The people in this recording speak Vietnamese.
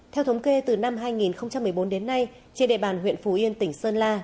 theo thống kê từ năm hai nghìn một mươi bốn đến nay trên địa bàn huyện phù yên tỉnh sơn la